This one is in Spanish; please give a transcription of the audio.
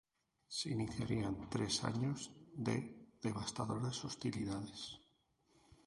Se iniciarían tres años de devastadoras hostilidades.